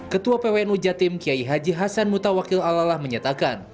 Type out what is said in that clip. ketua pwnu jatim kiai haji hasan mutawakil alalah menyatakan